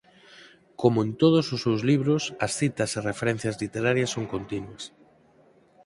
Como en todos os seus libros as citas e referencias literarias son continuas.